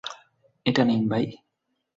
এটা নিন, ভাই।